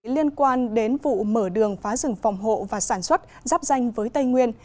liên quan đến vụ mở đường phá rừng phòng hộ và sản xuất giáp danh với tây nguyên